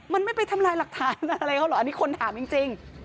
มันไม่ไปทำลายหลักฐานอะไรเขาเหรออันนี้คนถามจริง